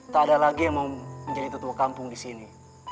tak ada lagi yang mau menjadi ketua kampung di sini